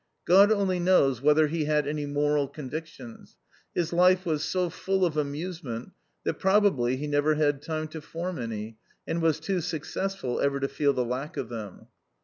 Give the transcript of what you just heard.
] God only knows whether he had any moral convictions. His life was so full of amusement that probably he never had time to form any, and was too successful ever to feel the lack of them.